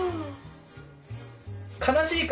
悲しい顔。